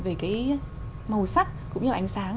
về cái màu sắc cũng như là ánh sáng